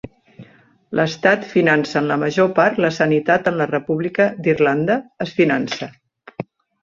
L'estat finança en la major part la sanitat en la República d'Irlanda es finança.